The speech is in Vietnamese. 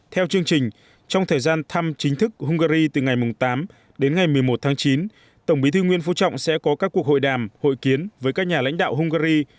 theo chương trình trong thời gian thăm chính thức hungary từ ngày tám đến ngày một mươi một tháng chín tổng bí thư nguyễn phú trọng sẽ có các cuộc hội đàm hội kiến với các nhà lãnh đạo hungary